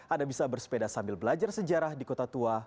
anda bisa bersepeda sambil belajar sejarah di kota tua